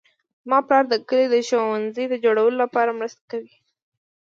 زما پلار د کلي د ښوونځي د جوړولو لپاره مرسته کوي